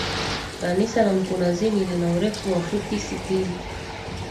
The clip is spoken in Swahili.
Kanisa la mkunazini lina urefu wa futi sitini